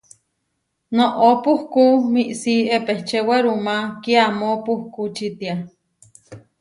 Noʼó puhkú miísi epečé werumá kiamó puhkú čitiá.